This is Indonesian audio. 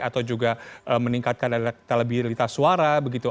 atau juga meningkatkan elektabilitas suara begitu